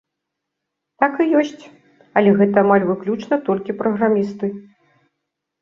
Так і ёсць, але гэта амаль выключна толькі праграмісты.